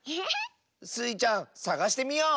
スイちゃんさがしてみよう！